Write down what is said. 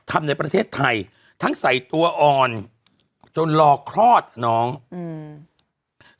ทำในประเทศไทยทั้งใส่ตัวอ่อนจนรอคลอดน้องอืม